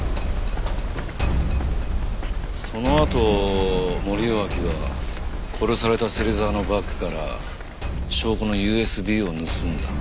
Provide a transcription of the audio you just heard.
そのあと森脇は殺された芹沢のバッグから証拠のＵＳＢを盗んだ。